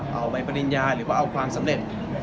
เอาใบปริญญาหรือว่าเอาความสำเร็จ